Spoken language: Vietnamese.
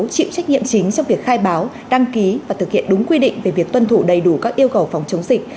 chịu trách nhiệm chính trong việc khai báo đăng ký và thực hiện đúng quy định về việc tuân thủ đầy đủ các yêu cầu phòng chống dịch